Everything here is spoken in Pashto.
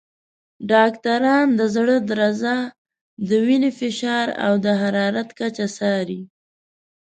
ډاکټران د زړه درزا، د وینې فشار، او د حرارت کچه څاري.